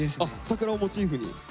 桜をモチーフに？